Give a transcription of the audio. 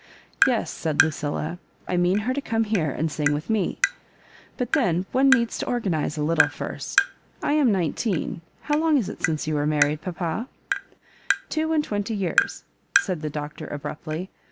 "Yes," said Lucilla, *'I mean her to como here and sing with me ; but, then, one needs to organise a little first. I am nineteen — how long is it since you were married, papa ?"*' Two and twenty years,'' said the Doctor, ab ruptly.